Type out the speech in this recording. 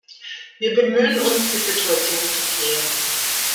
Wir bemühen uns, die Situation zu klären.